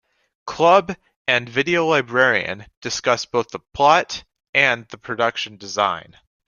Club, and "Video Librarian" discussed both the plot and the production design.